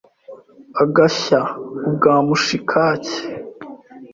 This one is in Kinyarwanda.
Agashya ubwa mushikake!